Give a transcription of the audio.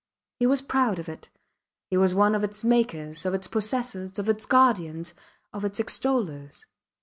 He was proud of it. He was one of its makers, of its possessors, of its guardians, of its extollers.